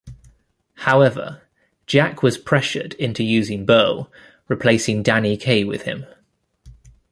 However, Jack was pressured into using Berle, replacing Danny Kaye with him.